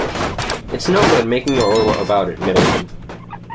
It's no good making a row about it, Middleton.